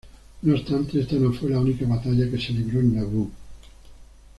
No obstante, esta no fue la única batalla que se libró en Naboo.